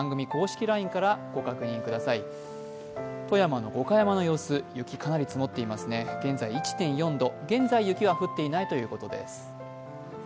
富山の五箇山の様子、雪、かなり積もっていますね、現在、１．４度現在雪は降っていないということです。